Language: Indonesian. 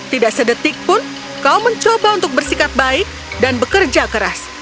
tidak sedetik pun kau mencoba untuk bersikap baik dan bekerja keras